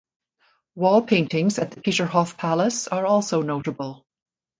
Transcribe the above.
Wall paintings at the Peterhof Palace are also notable.